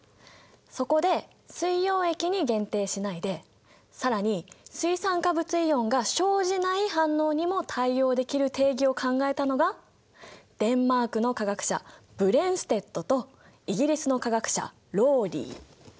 そこで水溶液に限定しないで更に水酸化物イオンが生じない反応にも対応できる定義を考えたのがデンマークの化学者ブレンステッドとイギリスの化学者ローリー。